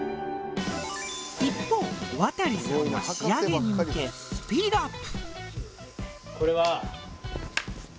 一方亘さんは仕上げに向けスピードアップ。